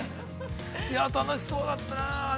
楽しそうだったね。